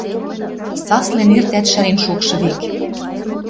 Саслен эртӓт шӹрен шокшы век